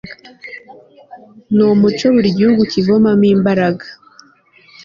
ni umuco buri gihugu kivomamo imbaraga